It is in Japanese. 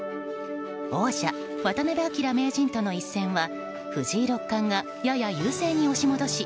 王者・渡辺明名人との一戦は藤井六冠がやや優勢に押し戻し